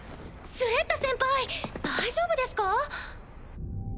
スレッタ先輩大丈夫ですか？